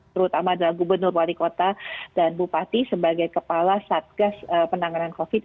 terutama adalah gubernur wali kota dan bupati sebagai kepala satgas penanganan covid sembilan